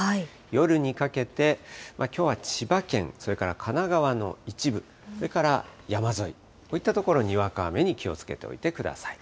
夜にかけて、きょうは千葉県、それから神奈川の一部、それから山沿い、こういった所、にわか雨に気をつけといてください。